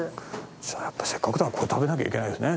じゃあやっぱせっかくだからこれ食べなきゃいけないですね。